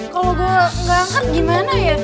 kalau udah gak angkat gimana ya